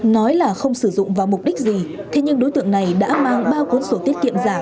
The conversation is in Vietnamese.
nói là không sử dụng vào mục đích gì thế nhưng đối tượng này đã mang bao cuốn sổ tiết kiệm